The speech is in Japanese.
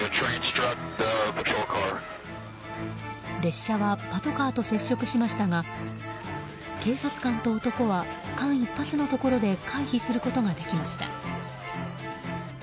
列車はパトカーと接触しましたが警察官と男は間一髪のところで回避することができました。